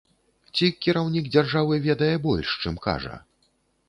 Ці кіраўнік дзяржавы ведае больш, чым кажа.